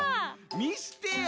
みしてよ。